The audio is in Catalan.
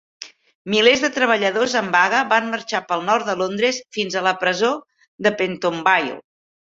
Milers de treballadors en vaga van marxar pel nord de Londres fins a la presó de Pentonville.